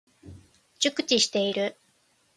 熟知している。